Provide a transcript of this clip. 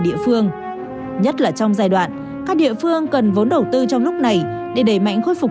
địa phương nhất là trong giai đoạn các địa phương cần vốn đầu tư trong lúc này để đẩy mạnh khôi phục